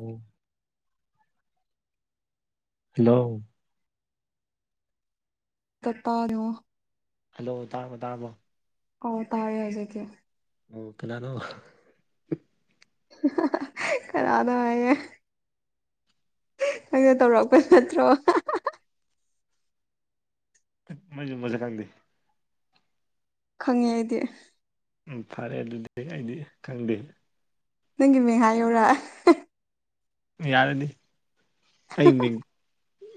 ꯎꯝ hello ꯇ ꯇꯥꯅꯣ hello ꯇꯥꯃꯣ ꯇꯥꯃꯣ ꯑꯣ ꯇꯥꯔꯦ ꯍꯥꯏꯖꯦꯒꯦ ꯑꯣ ꯐ ꯂꯅꯣ ꯈꯔꯥꯗ ꯅꯪꯩꯅ ꯇꯧꯔꯛꯄ ꯅꯠꯇ꯭ꯔꯣ ꯠ ꯃꯁꯨ ꯃꯁꯛ ꯈꯪꯗꯦ ꯈꯪꯉꯦ ꯑꯩꯗꯤ ꯎꯝ ꯐꯔꯦ ꯑꯗꯨꯗꯤ ꯑꯩꯗꯤ ꯈꯪꯗꯦ ꯅꯪꯒꯤ ꯃꯡꯍꯥ ꯌꯧꯔ ꯌꯥꯔꯅꯤ ꯑꯩ ꯃꯤꯡ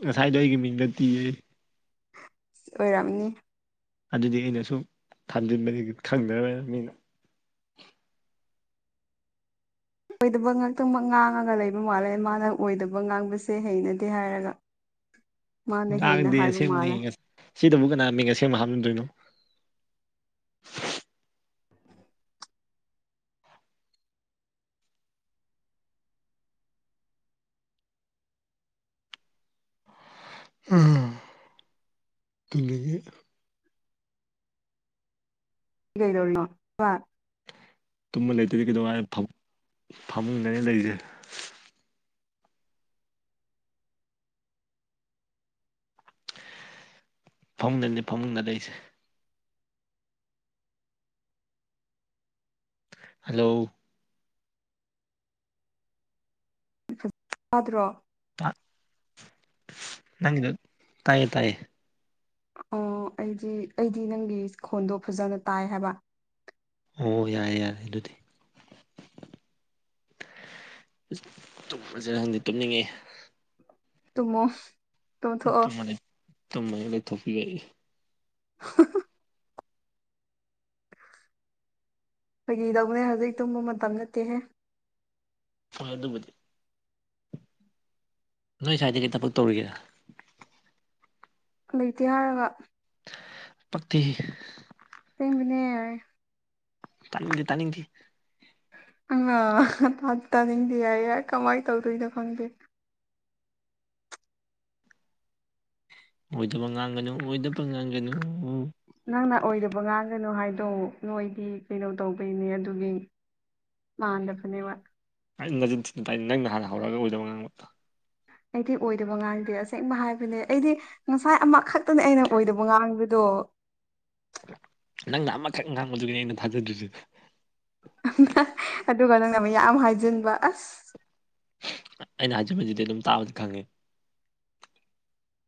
ꯉꯁꯥꯏꯗꯣ ꯑꯩꯒꯤ ꯃꯤꯡꯗ ꯇꯤꯌꯦ ꯑꯣꯏꯔꯝꯅꯤ ꯑꯗꯨꯗꯤ ꯑꯩꯅ ꯁꯨꯝ ꯊꯝꯖꯤꯟꯕ ꯈꯪꯗ꯭ꯔꯅꯤꯅ ꯃꯤꯅ ꯑꯣꯏꯗꯕ ꯉꯥꯛꯇꯪꯃꯛ ꯉꯥꯡꯉꯒ ꯂꯩꯕ ꯃꯥꯜꯂꯦ ꯃꯥꯅ ꯑꯣꯏꯗꯕ ꯉꯥꯡꯕꯁꯦ ꯍꯩꯅꯗꯦ ꯍꯥꯏꯔꯒ ꯃꯥꯅ ꯍꯦꯟꯅ ꯉꯥꯡꯗꯦ ꯍꯥꯏꯕ ꯃꯥꯜꯂꯦ ꯑꯁꯦꯡꯕꯅꯦ ꯁꯤꯗꯕꯨ ꯀꯅꯥꯅ ꯑꯁꯦꯡꯕ ꯍꯥꯞꯂꯝꯗꯣꯏꯅꯣ ꯎ ꯀꯦ ꯀꯩꯗꯧꯅꯣ ꯋꯥ ꯇꯨꯝꯕ ꯂꯩꯇꯗꯤ ꯀꯩꯗꯧꯉꯥꯏ ꯐꯃꯨꯡꯗꯅ ꯂꯩꯁꯦ ꯐꯃꯨꯡꯗꯅꯤ ꯐꯃꯨꯡꯗꯅꯤ ꯂꯩꯁꯦ ꯍꯜꯂꯣ ꯐꯖ ꯌꯥꯗ꯭ꯔꯣ ꯅꯪꯗ ꯇꯌꯦ ꯇꯥꯏꯌꯦ ꯑꯣ ꯑꯩꯗꯤ ꯑꯩꯗꯤ ꯅꯪꯒꯤ ꯈꯣꯟꯗꯣ ꯐꯖꯅ ꯇꯥꯏ ꯍꯥꯏꯕ ꯑꯣ ꯌꯥꯔꯦ ꯌꯥꯔꯦ ꯑꯗꯨꯗꯤ ꯗꯨꯝꯃꯁꯤꯔ ꯈꯪꯗ‌ꯦ ꯇꯨꯝꯅꯤꯡꯉꯦ ꯇꯃꯣ ꯇꯨꯝ ꯇꯨꯝꯃꯅ ꯂꯩꯊꯣꯛꯄꯤꯔꯛꯏ ꯍ ꯐꯒꯤꯗꯧꯅꯦ ꯍꯧꯖꯤꯛ ꯇꯨꯝꯕ ꯃꯇꯝ ꯅꯠꯇꯦꯍꯦ ꯍ ꯑꯗꯨꯕꯨꯗꯤ ꯅꯣꯏ ꯁ꯭ꯋꯥꯏꯗꯗꯒꯤ ꯊꯕꯛ ꯇꯧꯔꯤꯒꯦꯗ ꯂꯩꯇꯦ ꯍꯥꯏꯔꯒ ꯄꯛꯇꯛꯇꯤ ꯇꯦꯡꯃꯤꯅꯦ ꯇꯅꯤꯡꯗꯤ ꯇꯅꯤꯡꯗꯤ ꯑ ꯇꯥꯅꯤꯡꯗꯤꯦ ꯌꯥꯏ ꯌꯥꯏ ꯀꯃꯥꯏꯅ ꯇꯧꯗꯣꯏꯅꯣ ꯈꯪꯗꯦ ꯑꯣꯏꯗꯕ ꯉꯥꯡꯒꯅꯨ ꯑꯣꯏꯗꯕ ꯉꯥꯡꯒꯅꯨ ꯅꯪꯅ ꯑꯣꯏꯗꯕ ꯉꯥꯡꯒꯅꯨ ꯍꯥꯏꯗꯣ ꯅꯣꯏꯗꯤ ꯀꯩꯅꯣ ꯇꯧꯕꯩꯅꯦ ꯑꯗꯨꯒꯤ ꯃꯥꯥꯟꯗꯕꯅꯦꯕ ꯀꯥꯏ ꯅꯟ ꯊꯤꯅ ꯇꯥꯏ ꯅꯪ ꯅꯥꯟ ꯍꯧꯔꯒꯗꯕ ꯉꯥꯡꯕꯗꯣ ꯑꯩꯗꯤ ꯑꯣꯏꯗꯕ ꯉꯥꯡꯗꯦ ꯑꯁꯦꯡꯕ ꯍꯥꯏꯕꯅꯦ ꯑꯩꯗꯤ ꯉꯁꯥꯏ ꯑꯃꯈꯛꯇꯅꯦ ꯑꯩꯅ ꯑꯣꯏꯗꯕ ꯉꯥꯡꯕꯗꯣ ꯅꯪꯅ ꯑꯃꯈꯛ ꯉꯥꯡꯕꯗꯨꯒꯤꯅꯦ ꯑꯩꯅ ꯊꯥꯖꯗ꯭ꯔꯤꯁꯦ ꯑꯗꯨꯒ ꯅꯪꯅ ꯌꯥꯝ ꯍꯥꯏꯖꯤꯟꯕ ꯑꯁ ꯑꯩꯅ ꯍꯧꯖꯤꯛ ꯍꯧꯖꯤꯗꯤ ꯑꯗꯨꯝ ꯇꯥꯕꯗꯤ ꯈꯪꯉꯦ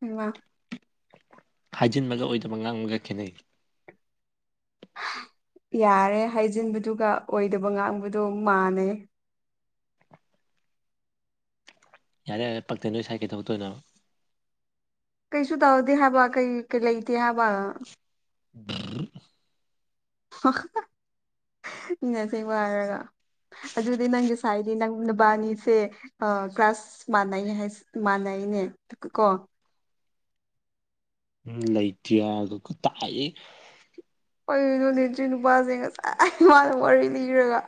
ꯑ ꯍꯥꯏꯖꯤꯟꯕꯒ ꯑꯣꯏꯗꯕ ꯉꯥꯡꯕꯒ ꯈꯦꯠꯅꯩ ꯌꯥꯔꯦ ꯍꯥꯏꯖꯤꯟꯕꯗꯨꯒ ꯑꯣꯏꯗꯕ ꯉꯥꯡꯕꯗꯣ ꯃꯥꯟꯅꯩ ꯌꯥꯔꯦ ꯌꯥꯔ‌ꯦ ꯄꯛꯇ‌ꯦ ꯅꯣꯏ ꯁꯥꯏꯗꫭ ꯀꯩ ꯊꯕꯛ ꯇꯩꯏꯅꯣ ꯀꯩꯁꯨ ꯇꯧꯗꯦ ꯍꯥꯏꯕ ꯀꯩ ꯀꯩ ꯂꯩꯇꯦ ꯍꯥꯏꯕ ꯕꯔꯨ ꯃꯤꯅ ꯑꯁ‌ꯦꯡꯕ ꯍꯥꯏꯔꯒ ꯑꯗꯨꯗꯤ ꯅꯪꯒꯤ ꯁꯥꯏꯗꯤ ꯅꯪ ꯅꯨꯕꯥꯅꯤꯁꯦ ꯑ ꯀ꯭ꯂꯥꯁ ꯃꯥꯟꯅꯩ ꯍꯥꯏ ꯃꯥꯟꯅꯩꯅꯦ ꯀꯣ ꯎꯝ ꯂꯩꯇ꯭ꯌꯥ ꯑꯗꯨꯒ ꯇꯥꯛꯑꯦ ꯑꯩ ꯅꯣꯅꯦꯁꯨꯔꯤ ꯅꯨꯄꯥꯁꯦ ꯉꯁꯥꯏ ꯏꯃꯅ ꯋꯥꯔꯤ ꯂꯤꯔꯒ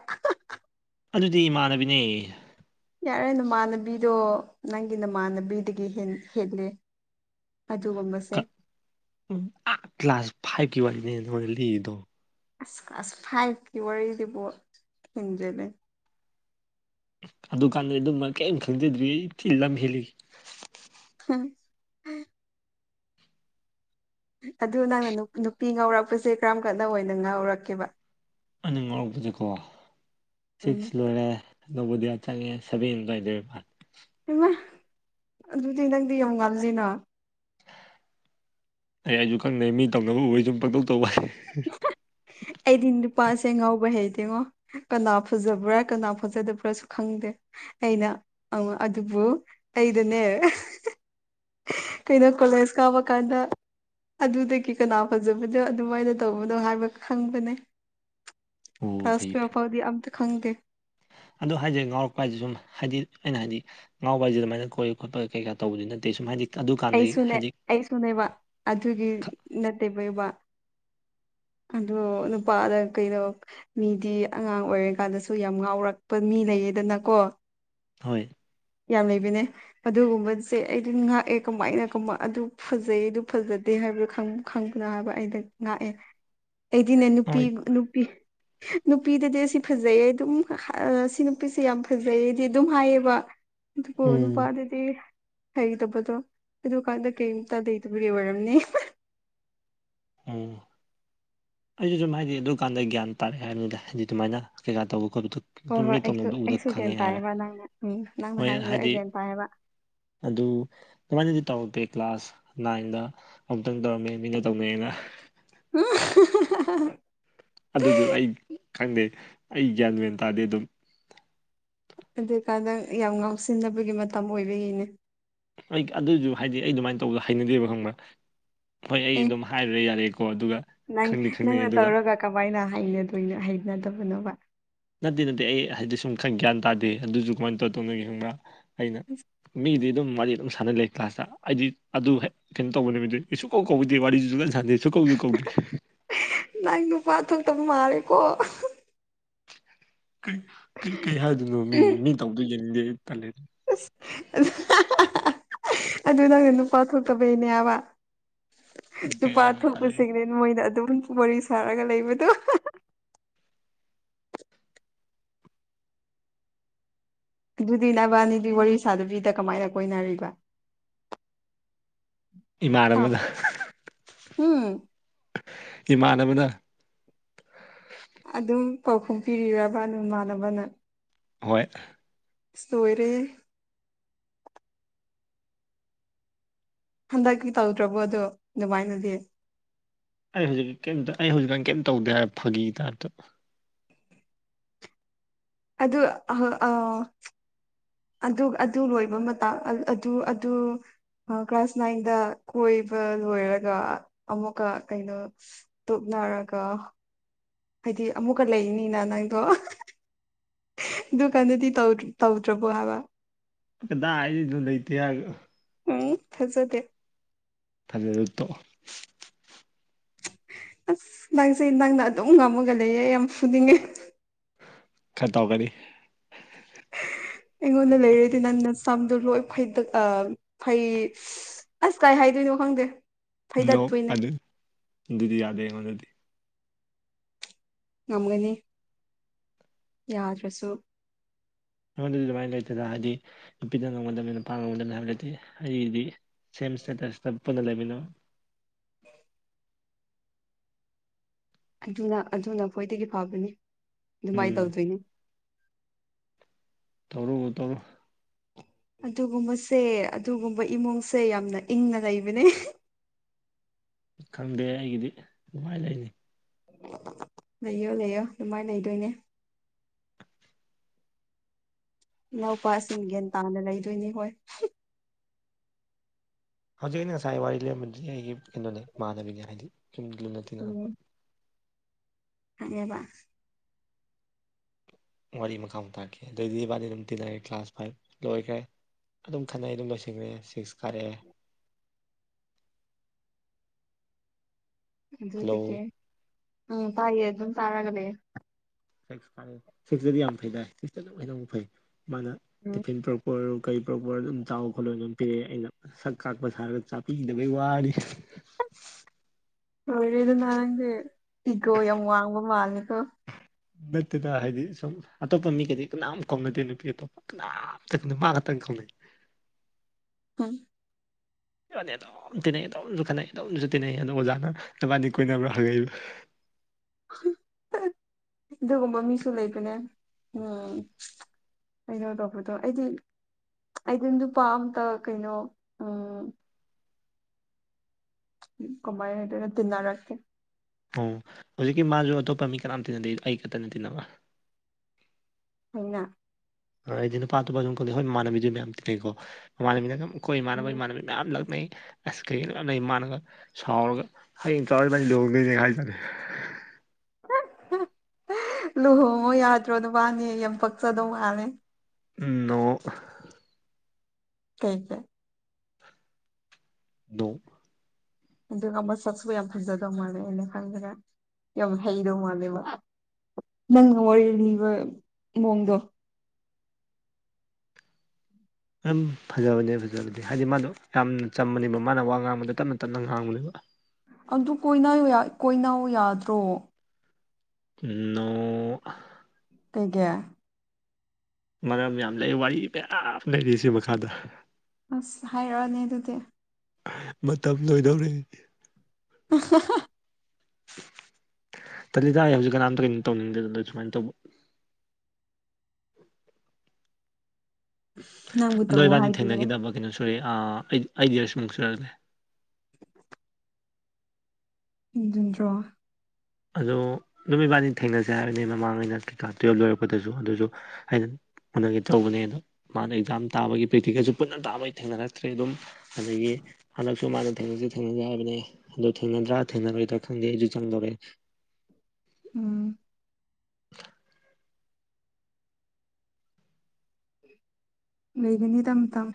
ꯑꯗꯨꯗꯤ ꯏꯃꯥꯟꯅꯕꯤꯅꯦ ꯌꯥꯔꯦ ꯅꯃꯥꯟꯅꯕꯤꯗꯣ ꯅꯪꯒꯤ ꯅꯃꯥꯟꯅꯕꯤꯗꯒꯤ ꯍꯦꯂ ꯑꯗꯨꯒꯨꯝꯕ ꯀ꯭ꯂꯥꯁ ꯐꯥꯏꯚꯀꯤ ꯋꯥꯔꯤꯅꯦ ꯑꯩꯅ ꯅꯉꫭꯟꯗ ꯂꯤꯏꯗꯣ ꯑꯁ ꯀ꯭ꯂꯥꯁ ꯐꯥꯏꯚꯀꯤ ꯋꯥꯔꯤꯗꯨꯕꯨ ꯈꯪꯗ‌ꯦꯅ‌ꯦ ꯑꯗꯨꯀꯥꯟꯗꯗꯤ ꯑꯗꯨꯝ ꯀꯔꯤꯝ ꯈꯪꯖꯗ꯭ꯔꯤ ꯏꯆꯤ ꯂꯝ ꯍꯦꯜꯂꯤ꯫ ꯎꯝ ꯑꯗꯨ ꯅꯪꯅ ꯅꯨꯄꯤ ꯉꯥꯎꯔꯛꯄꯁꯦ ꯀꯔꯝ ꯀꯅ ꯑꯣꯏꯅ ꯉꯥꯎꯔꯛꯀꯦꯕ ꯑꯅꯤ ꯉꯧꯔꯛꯄꯁꯦꯀꯣ ꯎꯝ ꯁꯤꯛꯁ ꯂꯣꯏꯔꯦ ꯑꯅꯧꯕꯗꯤꯌꯥ ꯆꯪꯉꯦ ꯁꯕꯦꯟ ꯑꯗꯨꯋꯥꯏꯗ ꯏꯃ ꯑꯗꯨꯗꯤ ꯅꯪꯗꯤ ꯌꯥꯝ ꯉꯜꯂꯤꯅ ꯑꯩ ꯑꯩꯁꯨ ꯈꯪꯅꯩ ꯃꯤ ꯇꯧꯅꯕ ꯎꯕ ꯁꯨꯝ ꯄꯪꯇꯧ ꯇꯧꯕ ꯑꯩꯗꯤ ꯅꯨꯄꯥꯁꯦ ꯉꯥꯎꯕ ꯍꯩ ꯇꯡꯉꯣ ꯀꯅꯥ ꯐꯖꯕ꯭ꯔꯥ ꯀꯅꯥ ꯐꯖꯗꯕ꯭ꯔꯥꯁꯨ ꯈꯪꯗꯦ꯫ ꯑꯩꯅ ꯑ ꯑꯗꯨꯕꯨ ꯑꯩꯗꯅꯦ꯫ ꯀꯩꯅꯣ ꯀꯣꯂꯦꯖ ꯀꯥꯕ ꯀꯥꯟꯗ ꯑꯗꯨꯗꯒꯤ ꯀꯅꯥ ꯐꯖꯕꯅꯣ ꯑꯗꯨꯃꯥꯏꯅ ꯇꯧꯕꯗꯣ ꯍꯥꯏꯕ ꯈꯪꯕꯅꯦ ꯑꯣ ꯀ꯭ꯂꯥꯁ ꯐꯩ ꯇꯨꯋꯦꯜꯐ ꯐꯥꯎꯗꯤ ꯑꯝꯇ ꯈꯪꯗꯦ꯫ ꯑꯗ ꯍꯥꯏꯁꯦ ꯉꯥꯎꯔꯛꯄ ꯍꯥꯏꯁꯦ ꯁꯨꯝ ꯍꯥꯏꯗꯤ ꯑꯩꯅ ꯍꯥꯏꯗꯤ ꯉꯥꯎꯕ ꯍꯥꯏꯁꯤ ꯑꯗꯨꯃꯥꯏꯅ ꯀꯣꯏ ꯈꯣꯠꯄ ꯀꯩ ꯀꯥ ꯇꯧꯕꯗꯤ ꯅꯠꯇꯦ ꯁꯨꯃꯥꯏ ꯍꯥꯏꯗꯤ ꯑꯗꯨꯀꯥꯟꯗꯒꯤ ꯑꯩꯁꯨꯅꯦ ꯍꯥꯏꯗꯤ ꯑꯩꯁꯨꯅꯦꯕ ꯑꯗꯨꯒꯤ ꯅꯠꯇꯦꯕꯕ ꯑꯗꯣ ꯅꯨꯄꯥꯗ ꯀꯩꯗꯣ ꯃꯤꯗꯤ ꯑꯉꯥꯡ ꯑꯣꯏꯔꯤꯀꯥꯟꯗꯁꯨ ꯌꯥꯝ ꯉꯥꯎꯔꯛꯄ ꯃꯤ ꯂꯩꯌꯦꯗꯅꯀꯣ ꯍꯣꯏ ꯌꯥꯝ ꯂꯩꯕꯅꯦ꯫ ꯑꯗꯨꯒꯨꯝꯕꯁꯦ ꯑꯩꯗꯤ ꯉꯥꯛꯑꯦ ꯀꯃꯥꯏꯅꯃ ꯑꯗꯨ ꯐꯖꯩ ꯑꯗꯨ ꯐꯖꯗꯦ ꯍꯥꯏꯕꯗꯨ ꯈꯪꯕ ꯈꯪꯕꯗ ꯍꯥꯏꯕ ꯑꯩꯗ ꯉꯥꯛꯑꯦ ꯑꯩꯗꯤꯅꯦ ꯅꯨꯄꯤ ꯍꯣꯏ ꯅꯨꯄꯤ ꯅꯨꯄꯤꯗꯗꯤ ꯑꯁꯤ ꯐꯖꯩꯌꯦ ꯑꯗꯨꯝ ꯁꯤ ꯅꯨꯄꯤꯁꯦ ꯌꯥꯝ ꯐꯖꯩꯌꯦ ꯑꯩꯗꯤ ꯑꯗꯨꯝ ꯍꯥꯏꯌꯦꯕ ꯑꯗꯨꯕꯨ ꯎꯝ ꯅꯨꯄꯥꯗꯨꯗꯤ ꯍꯩꯇꯕꯗꯣ ꯑꯗꯨ ꯀꯥꯟꯗ ꯀꯩꯝꯇ ꯂꯩꯩꯇꯕꯒꯤ ꯑꯣꯏꯔꯝꯅꯤ꯫ ꯎꯝ ꯑꯩꯁꯨ ꯁꯨꯝ ꯍꯥꯏꯗꯤ ꯑꯗꯨꯀꯥꯟꯗ ꯒ꯭ꯌꯥꯟ ꯇꯥꯔꯛꯑꯦ ꯍꯥꯏꯕꯅꯤꯅ ꯍꯥꯏꯗꯤ ꯑꯗꯨꯃꯥꯏꯅ ꯀꯩꯀꯥ ꯇꯧꯕ ꯈꯣꯠꯄꯗꯨ ꯍꯣꯏ ꯍꯣꯏ ꯑꯩꯁꯨ ꯑꯩꯁꯨ ꯒ꯭ꯦꯟ ꯇꯥꯏꯌꯦꯕ ꯅꯪꯅ ꯎꯝ ꯅꯪꯅ ꯍꯣꯏ ꯍꯥꯏꯕꯤꯌꯣ ꯑꯩ ꯍꯥꯏꯗꯤ ꯒꯌꯥꯟ ꯇꯥꯏꯌꯦꯕ꯫ ꯑꯗꯨ ꯀꯃꯥꯏꯅꯗꯤ ꯇꯧꯔꯒꯦ ꯀ꯭ꯂꯥꯁ ꯅꯥꯏꯟꯗ ꯑꯃꯨꯛꯇꯪ ꯇꯧꯔꯝꯃꯦ ꯃꯤꯅ ꯇꯧꯅꯩꯑꯅ ꯍꯨꯝ ꯍꯥꯍꯥ ꯑꯗꯨꯁꯨ ꯑꯩ ꯈꯪꯗꯦ ꯑꯩ ꯒ꯭ꯌꯥꯟ ꯃꯦꯟ ꯇꯥꯗ‌ꯦ ꯑꯗꯨꯝ ꯑꯗꯨꯏꯀꯥꯟꯗ ꯌꯥꯝ ꯉꯥꯎꯁꯤꯟꯅꯕꯒꯤ ꯃꯇꯝ ꯑꯣꯏꯕꯩꯅꯤꯅꯦ꯫ ꯑꯩ ꯑꯗꯨꯁꯨ ꯍꯥꯏꯗꯤ ꯑꯩ ꯑꯗꯨꯃꯥꯏꯅ ꯇꯧꯕꯗ ꯍꯩꯅꯗꯦꯕ ꯈꯪꯕ꯭ꯔꯥ ꯍꯣꯏ ꯑꯩ ꯑꯦ ꯑꯗꯨꯝ ꯍꯥꯏꯔꯨꯔ ꯌꯥꯔꯦꯀꯣ ꯑꯗꯨꯒ ꯅꯪ ꯈꯪꯅꯤ ꯈꯪꯅꯩ ꯅꯪꯅ ꯑꯗꯨꯒ ꯇꯧꯔꯒ ꯀꯃꯥꯏꯅ ꯍꯩꯅꯗꯕꯅꯣꯕ ꯅꯠꯇꯦ ꯅꯠꯇꯦ ꯑꯩ ꯍꯥꯏꯗꯤ ꯁꯨꯝ ꯈꯪ ꯒ꯭ꯌꯥꯟ ꯇꯥꯗꯦ ꯑꯗꯨꯁꯨ ꯀꯃꯥꯏꯅ ꯇꯧꯔ ꯇꯧꯅꯣꯒ ꯈꯪꯕ ꯑꯩꯅ ꯃꯤꯗꯤ ꯑꯗꯨꯝ ꯃꯥꯗꯤ ꯑꯗꯨꯝ ꯁꯥꯟꯅ ꯂꯩ꯫ ꯀ꯭ꯂꯥꯁꯇ ꯑꯩꯗꯤ ꯑꯗꯨ ꯀꯩꯅꯣ ꯇꯧꯕ ꯅꯨꯃꯤꯠꯇꯗꯤ ꯏꯁꯨꯛ ꯀꯧ ꯀꯧꯗꯦ ꯋꯥꯔꯤꯁꯨꯨ ꯀꯥꯟ ꯁꯥꯟꯗꯦ ꯑꯁꯨꯛ ꯀꯧꯁꯨ ꯀꯧꯗꯦ꯫ ꯅꯪ ꯅꯨꯄꯥ ꯊꯣꯛꯇꯕ ꯃꯥꯂꯀꯣ ꯀꯩ ꯀꯩꯀꯩ ꯍꯥꯏꯗꯣꯏꯅꯣ ꯃꯤ ꯃꯤ ꯇꯧꯗꯣ ꯌꯦꯡꯅꯤꯡꯗꯦ ꯇ ꯇꯥꯜꯂꯦ ꯫ ꯑꯁꯥ ꯑꯗꯨ ꯅꯪꯅ ꯅꯨꯄꯥ ꯊꯣꯛꯇꯕꯩꯅꯦꯕ ꯀꯩ ꯅꯨꯄꯥ ꯍꯥꯏꯗꯣꯏꯅꯣ ꯇꯜꯂꯦ ꯊꯣꯛꯄꯁꯤꯡꯅꯦ ꯃꯣꯏꯗ ꯑꯗꯨꯝ ꯋꯥꯔꯤ ꯁꯥꯔꯒ ꯂꯩꯕꯗꯣ ꯑꯗꯨꯗꯤ ꯅꯕꯥꯅꯤꯕꯤ ꯋꯥꯔꯤ ꯁꯥꯗꯕꯤꯗ ꯀꯃꯥꯏꯅ ꯀꯣꯏꯅꯔꯤꯕ ꯏꯃꯥꯟꯅꯕꯅ ꯎꯝ ꯏꯃꯥꯟꯅꯕꯅ ꯑꯗꯨꯝ ꯄꯥꯎꯈꯨꯝ ꯄꯤꯕꯤꯔꯕ ꯅꯃꯥꯟꯅꯕꯅ ꯍꯣꯏ ꯑꯁ ꯂꫭꯏꯔ‌ꯦꯍꯦ꯫ ꯍꯟꯗꯛꯀꯤ ꯇꯧꯗ꯭ꯔꯕꯗꯣ ꯑꯗꯨꯃꯥꯏꯅꯗꯤ ꯑꯩ ꯍꯧꯖꯤꯛ ꯀꯩꯝꯇ ꯑꯩ ꯍꯧꯖꯤꯛꯀꯥꯟ ꯀꯩꯝꯇ ꯇꯧꯗꯦ ꯍꯥꯏꯔꯦ ꯐꯥꯒꯤ ꯇꯥꯏꯞꯇ ꯑꯗꯨ ꯑꯍ ꯑ ꯑꯗꯨ ꯂꯣꯏꯕ ꯃꯇ ꯑꯗꯨ ꯑꯗꯨ ꯀ꯭ꯂꯥꯁ ꯅꯥꯏꯟꯗ ꯀꯣꯏꯕ ꯂꯣꯏꯔꯒ ꯑꯃꯨꯛꯀ ꯀꯩꯅꯣ ꯇꯨꯞꯅꯔꯒ ꯍꯥꯏꯗꯤ ꯑꯃꯨꯛꯀ ꯂꯩꯔꯤꯅꯤꯅ ꯅꯪꯗꯣ ꯗꯨꯀꯥꯟꯗꯗꯤ ꯇꯧ ꯇꯧꯗ꯭ꯔꯕꯣ ꯍꯥꯕ ꯀꯗꯥ ꯑꯩꯁꯤꯗ ꯂꯩꯇꯦ ꯍꯥꯏ ꯎꯝ ꯊꯖꯗꯦ ꯊꯖ ꯇꯣ ꯑꯁ ꯅꯪꯁꯦ ꯅꯪꯅ ꯑꯗꯨꯝ ꯉꯝꯃꯒ ꯂꯩꯌꯦ ꯌꯥꯝ ꯐꯨꯅꯤꯡꯉꯦ ꯈꯔ ꯇꯧꯒꯅꯤ ꯑꯩꯉꯣꯟꯗ ꯂꯩꯔꯗꯤ ꯅꯪꯅ ꯁꯝꯗꯣ ꯂꯣꯏ ꯐꯩꯗ ꯑ ꯐꯩ ꯑꯁ ꯀꯥꯏ ꯍꯥꯏꯗꯣꯏꯅꯣ ꯈꯪꯗꯦ ꯗꯣ ꯐꯩꯗꯠꯇꯣꯏꯅꯦ ꯑꯗꯨ ꯑꯗꯨꯗꯤ ꯌꯥꯗꯦ ꯑꯩꯉꯣꯟꯗꯗꯤ ꯉꯝꯒꯅꯤ ꯌꯥꯗ꯭ꯔꯁꯨ ꯑꯩꯉꯣꯟꯗꯗꯤ ꯑꯗꯨꯃꯥꯏꯅ ꯂꯩꯇꯗꯅ ꯍꯥꯏꯗꯤ ꯅꯨꯄꯤꯗ ꯅꯪꯝꯒꯝꯗꯕꯅꯤ ꯅꯨꯄꯥꯅ ꯉꯪꯉꯝꯗꯕꯅꯤ ꯍꯥꯏꯕ ꯂꯩꯇꯦ ꯑꯩꯒꯤꯗꯤ ꯁꯦꯝ ꯁꯇꯦꯇꯁꯇ ꯄꯨꯟꯅ ꯂꯩꯃꯤꯅꯣ ꯑꯗꯨꯅ ꯑꯗꯨꯅ ꯈꯣꯏꯗꯒꯤ ꯐꯕꯅꯤ ꯑꯗꯨꯃꯥꯏꯅ ꯎꯝ ꯇꯧꯗꯣꯏꯅ ꯇꯧꯔꯨ ꯇꯧꯔꯨ ꯑꯗꯨꯒꯨꯝꯕꯁꯦ ꯑꯗꯨꯒꯨꯝꯕ ꯏꯃꯨꯡꯁꯦ ꯌꯥꯝꯅ ꯏꯪꯅ ꯂꯩꯕꯅꯦ ꯈꯪꯗꯦ ꯑꯩꯒꯤꯗꯤ ꯅꯨꯡꯉꯥꯏ ꯂꯩꯅꯤ ꯂꯩꯌꯣ ꯂꯩꯌꯣ ꯑꯗꯨꯃꯥꯏꯅ ꯂꯩꯗꯣꯏꯅꯦ ꯏꯅꯥꯎꯄꯥꯁꯤꯡ ꯒ꯭ꯌꯥꯟ ꯇꯥꯅ ꯂꯩꯗꯣꯏꯅꯤ ꯍꯣꯏ ꯍꯧꯖꯤꯛ ꯑꯩꯅ ꯉꯁꯥꯏ ꯋꯥꯔꯤ ꯂꯩꯔꯝꯕꯗꯨꯗꯤ ꯑꯩꯒꯤ ꯀꯩꯅꯣꯅꯦ ꯃꯥꯟꯅꯕꯤꯅꯦ ꯍꯥꯏꯗꯤ ꯁꯨꯝ ꯂꯨꯅ ꯊꯤꯡꯉꯛꯂꯛꯄ ꯊꯕ ꯋꯥꯔꯤ ꯃꯈꯥ ꯇꯥꯈꯤ ꯑꯗꯨꯏꯗꯤ ꯃꯥꯕꯥꯗꯤ ꯑꯗꯨꯝ ꯇꯤꯟꯅꯔꯦ ꯀ꯭ꯂꯥꯁ ꯐꯥꯏꯚ ꯂꯣꯏꯈ꯭ꯔꯦ ꯑꯗꯨꯝ ꯈꯟꯅꯅꯩ ꯑꯗꯨꯝ ꯂꯣꯏꯁꯜꯉꯦ ꯁꯤꯛꯁ ꯀꯥꯔꯛꯑꯦ ꯑꯗꯨꯗ ꯍꯜꯂꯣ ꯑꯗꯨꯀꯦ ꯎꯝ ꯇꯥꯏꯌꯦ ꯑꯗꯨ ꯑꯗꯨꯝ ꯇꯥꯔꯒꯂꯦ ꯁꯤꯛꯁ ꯈꯥꯏ ꯁꯤꯛꯁꯇꯗꯤ ꯌꯥꯝ ꯐꯩ ꯇꯥꯏ ꯁꯤꯛꯁꯇ ꯑꯗꯨꯝ ꯍꯅ ꯐꯩ ꯃꯥꯅ ꯎꯝ ꯇꯤꯐꯤꯟ ꯄ꯭ꯔꯛꯄ ꯑꯣꯏꯔ ꯀꯩ ꯄ꯭ꯔꯣꯄꯔ ꯑꯗꯨꯝ ꯆꯥꯎꯕ ꯈꯣꯠꯂꯂꯣꯟ ꯑꯗꯨꯝ ꯄꯤꯔꯛꯑꯦ ꯑꯩꯅ ꯁꯛ ꯀꯥꯛꯄ ꯁꯥꯔꯒ ꯆꯥꯛꯄꯤꯈꯤꯗꯕꯒꯤ ꯋꯥꯅꯤ ꯂꯣꯏꯔꯦꯗꯅ ꯅꯪꯗꯤ ꯏꯒꯣ ꯌꯥꯝ ꯋꯥꯡꯕ ꯃꯥꯜꯂꯦꯀꯣ ꯅꯠꯇꯦꯗ ꯍꯥꯏꯗꯤ ꯁ ꯑꯇꯣꯞꯄ ꯃꯤꯒꯩꯗꯤ ꯀꯅꯥꯝ ꯀꯥꯎꯅꯗꯦ ꯅꯨꯄꯤ ꯑꯇꯣꯞꯄ ꯀꯅꯥꯝꯇꯪꯪ ꯃꯥ ꯈꯛꯇꯪ ꯀꯥꯎꯅꯩ ꯎꯝ ꯑꯗꯨꯝ ꯇꯤꯟꯅꯩ ꯑꯗꯨꯧꯝꯁꯨ ꯈꯠꯅꯩ ꯇꯧꯝꯁꯨ ꯇꯤꯟꯅꯩꯌꯦ ꯑꯗꯣ ꯑꯣꯖꯥꯅ ꯅꯕꯥꯅꯤ ꯀꯣꯏꯅꯕ꯭ꯔꯥ ꯍꯪꯉꯛꯏꯕ [unintelligible] ꯑꯗꯨꯒꯨꯝꯕ ꯃꯤꯁꯨꯣ ꯂꯩꯕꯅꯦ ꯎꯝ ꯑꯩꯅꯣ ꯇꯣꯛꯄꯔꯗꯣ ꯑꯩꯗꯤ ꯑꯩꯗꯗꯨꯄꯥꯝꯇ ꯀꯩꯅꯣ ꯎꯝ ꯀꯃꯥꯏꯗ ꯇꯗꯤꯟꯅꯔꯛꯦ ꯑꯣ ꯍꯧꯖꯤꯛꯀꯤ ꯃꯥꯁꯨ ꯑꯇꯣꯞꯄ ꯃꯤ ꯀꯅꯥꯝꯇꯤꯟꯅꯗꯦ ꯑꯩ ꯈꯛꯇꯅ ꯇꯤꯟꯅꯕ ꯑꯩꯅ ꯑꯩꯗꯤ ꯅꯨꯄꯥꯇꯣꯄꯥ ꯑꯗꯨꯝ ꯈꯜꯂꯤꯦ ꯍꯣꯏ ꯏꯃꯅꯕꯤꯗꯨ ꯃꯌꯥꯝ ꯇꯤ ꯂꯩꯩꯀꯣꯃꯅꯕꯤꯅꯝ ꯑꯩꯈꯣꯏ ꯏꯃꯥꯟꯅꯕ ꯎꯝ ꯏꯃꯥꯟꯅꯕꯤ ꯃꯌꯥꯝ ꯂꯥꯛꯅꯩ ꯑꯁ ꯀꯩꯒꯤꯅꯣ ꯑꯅꯩ ꯏꯃꯥꯟꯅꯒ ꯁꯥꯎꯔꯒ ꯍꯌꯦꯡ ꯆꯥꯎꯔꯏ ꯃꯅꯤ ꯂꯍꯣꯡꯗꯣꯏꯅꯦ ꯍꯥꯏꯇꯥꯔꯦ ꯂꯨꯍꯣꯡꯉꯣ ꯌꯥꯗ꯭ꯔꯣ ꯅꯨꯄꯥꯅꯦ ꯌꯥꯝ ꯄꯛꯆꯗꯧ ꯃꯥꯜꯂꯦ ꯅꯣꯡ ꯀꯩꯁꯦ [unintelligible] ꯅꯣ ꯑꯗꯨꯒ ꯃꯁꯛꯁꯨ ꯌꯥꯝ ꯐꯖꯗꯧ ꯃꯥꯜꯂꯦ ꯑꯩꯅ ꯈꯪꯗꯅ ꯌꯥꯝ ꯍꯩꯗꯧ ꯃꯥꯜꯂꯦꯕ ꯅꯪꯅ ꯋꯥꯔꯤ ꯂꯤꯕ ꯃꯑꯣꯡꯗꯣ ꯑꯗꯨ ꯐꯖꯕꯅꯦ ꯐꯖꯕꯅꯦ ꯍꯥꯏꯗꯤ ꯃꯥꯗꯣ ꯌꯥꯝꯅ ꯆꯝꯃꯅꯦꯕ ꯃꯥꯅ ꯋꯥ ꯉꯥꯡꯕꯗꯣ ꯇꯞꯅ ꯇꯞꯅ ꯉꯥꯡꯕꯅꯦꯕ ꯑꯗꯨ ꯀꯣꯏ ꯀꯣꯏꯅꯥꯎ ꯌꯥꯗ꯭ꯔꯣ ꯅꯣ ꯀꯩꯒ‌ꯦ ꯃꯔꯝ ꯌꯥꯝ ꯂꯩ ꯋꯥꯔꯤ ꯃꯌꯥꯝ ꯂꯩꯔꯤ ꯁꯤ ꯃꯈꯥꯗ ꯑꯁ ꯍꯥꯏꯔꯛꯑꯣꯅꯦ ꯑꯗꯨꯗꯤ ꯃꯇꯝ ꯂꯣꯏꯗꯧꯔ‌ꯦ ꯍꯥ ꯇꯜꯂꯤꯗ ꯑꯩ ꯍꯧꯖꯤꯛ ꯀꯅꯥꯝꯇ ꯀꯩꯅꯣ ꯇꯧꯅꯤꯡꯗꯦ ꯑꯗꯨ ꯁꯨꯃꯥꯏꯅ ꯇꯧꯕ ꯅꯪꯕꯨ ꯑꯗꯣ ꯇꯧꯑꯣ ꯏꯕꯥꯅꯤ ꯍꯥꯏꯗꯤꯌꯦ ꯊꯦꯡꯅꯈꯤꯗꯕ ꯀꯩꯅꯣ ꯁꯣꯔꯤ ꯑꯩ ꯑꯩꯠ ꯌꯌꯥꯔꯁꯃꯨꯛ ꯁꯨꯔꯛꯂꯦ ꯖꯠꯇ꯭ꯔꯣ ꯑꯗꯣ ꯅꯨꯃꯤꯠꯕꯥꯅꯤ ꯊꯦꯡꯅꯁꯦ ꯍꯥꯏꯕꯅꯦ ꯃꯃꯥꯡꯉꯩꯅ ꯀ ꯀꯂꯥꯁ ꯇꯨꯌꯦꯜꯕ ꯂꯣꯏꯔꯛꯄꯗꯁꯨ ꯑꯗꯨꯁꯨ ꯑꯩꯅ ꯍꯣꯅꯒꯦ ꯇꯧꯕꯅꯦ ꯑꯗꯣ ꯃꯥꯅ ꯑꯦꯛꯖꯥꯝ ꯇꯥꯕꯒꯤ ꯄ꯭ꯔꯦꯛꯇꯤꯀꯦꯜꯁꯨ ꯄꯨꯟꯅ ꯇꯥꯕꯩ ꯊꯦꯡꯅꯔꯛꯇ꯭ꯔꯦ ꯑꯗꯨꯝ ꯑꯗꯨꯗꯒꯤ ꯍꯟꯗꯛꯁꯨ ꯃꯥꯅ ꯊꯦꯡꯅꯁꯤ ꯊꯦꯡꯅꯁꯤ ꯍꯥꯏꯕꯅꯦ ꯑꯗꯨꯗꯣ ꯊꯦꯡꯅꯗ꯭ꯔꯥ ꯊꯦꯡꯅꯔꯣꯏꯗ꯭ꯔꯥ ꯈꯪꯗꯦ ꯑꯩꯁꯨ ꯆꯪꯗꯧꯔꯦ ꯎꯝ [unintelligible] ꯂꯩꯒꯅꯤ ꯃꯥꯇꯝ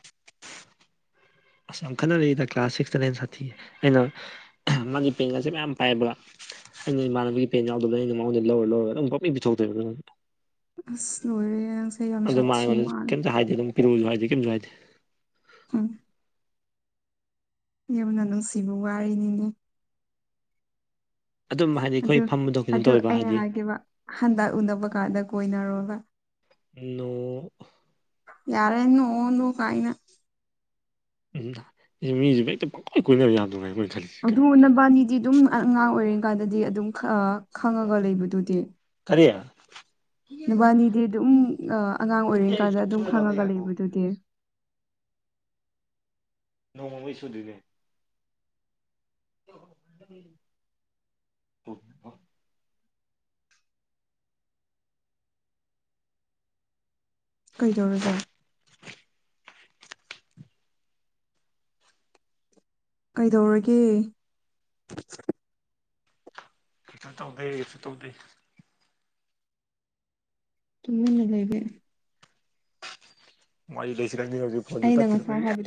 ꯑꯁ ꯌꯥꯝ ꯈꯠꯟꯅꯔꯛꯏꯗ ꯀ꯭ꯂꯥꯁ ꯁꯤꯛꯁꯇ ꯅꯥꯏꯟ ꯁꯥꯊꯤꯌꯦ ꯑꯩꯅ ꯃꯥꯒꯤ ꯄꯦꯡꯒꯁꯦ ꯃꯌꯥꯝ ꯄꯥꯏꯕ꯭ꯔ ꯑꯩꯅ ꯏꯃꯥꯟꯕꯤꯒꯤ ꯄꯦꯟ ꯌꯥꯎꯗꯕꯅ ꯑꯩꯅ ꯃꯃꯉꯣꯟꯗ ꯂꯧꯔ ꯂꯧꯔ ꯑꯗꯨꯝ ꯄꯞꯄꯤ ꯄꯤꯊꯣꯛ ꯇꯣꯏꯅꯦ ꯑꯁ ꯂꯣꯏꯔꯦ ꯌꯥꯝ ꯑꯗꯨ ꯃ ꯁꯥꯊꯤ ꯃꯥꯉꯣꯟꯗ ꯃꯥꯜꯂꯦ ꯀꯝꯇ ꯍꯥꯏꯗꯤꯦ ꯑꯗꯨꯝ ꯄꯤꯔꯛꯨꯁꯨ ꯍꯥꯏꯗꯤꯦ ꯀꯩꯝꯁꯨ ꯍꯥꯏꯗꯦ ꯎꯝ ꯌꯥꯝꯅ ꯅꯨꯡꯁꯤꯕ ꯋꯥꯔꯤꯅꯤꯅꯦ ꯑꯗꯨꯝ ꯍꯥꯏꯗꯤ ꯑꯩꯈꯣꯏ ꯑꯗꯨ ꯐꯝꯕꯗꯣ ꯀꯩꯅꯣ ꯑꯗꯨ ꯇꯧꯋꯦꯕ ꯑꯩꯅ ꯍꯥꯏꯗꯤ ꯍꯥꯏꯈꯤꯕ ꯍꯟꯗꯛ ꯎꯅꯕ ꯀꯥꯟꯗ ꯀꯣꯏꯅꯔꯣ ꯅꯣ ꯇ [unintelligible] ꯌꯥꯔꯦ ꯅꯣꯛꯑꯥꯅꯨ ꯀꯥꯏꯅ ꯎꯝ ꯁꯤ ꯃꯤꯁꯨ ꯍꯛꯇ ꯄꯪꯀꯣꯏꯏ ꯀꯣꯏꯅꯕ ꯌꯥꯗ꯭ꯔꯉꯥꯏꯅ ꯃꯣꯏꯅ ꯈꯜꯂꯤ ꯑꯗꯨꯕꯥꯅꯤꯗꯤ ꯑꯗꯨꯝ ꯑꯉꯥꯡ ꯑꯣꯏꯔꯤ ꯀꯥꯟꯗꯗꯤ ꯑꯗꯨꯝ ꯈꯪꯉꯒ ꯂꯩꯕꯗꯨꯗꯤ ꯀꯔꯤ ꯅꯨꯕꯥꯅꯤꯗꯤ ꯑꯗꯨꯝ ꯑꯉꯥꯡ ꯑꯣꯏꯔꯤꯉ ꯀꯥꯟꯗ ꯑꯗꯨꯝ ꯁꯣꯏꯗꯧꯅꯦ ꯈꯪꯉꯒ ꯉꯥꯏꯈꯣ ꯂꯩꯕꯗꯨꯗꯤ ꯅꯣꯡꯃꯩ ꯁꯨꯗꯣꯏꯅꯦ ꯍ [inaudible] ꯀꯩꯗꯧꯔꯒꯦ ꯀꯩꯗꯧꯔꯒꯦ ꯀꯩꯁꯨ ꯇꯧꯗꯦ ꯀꯩꯁꯨ ꯇꯧꯗꯦ ꯇꯨꯝꯃꯤꯅ ꯂꯩꯩꯕ ꯃꯥꯒꯤ ꯂꯩꯦꯁꯤꯔ ꯍꯧꯖꯤ ꯐꯖꯤ ꯇ ꯑꯩꯅ ꯉꯁꯥꯏ [unintelligible] ꯍꯥꯏꯕ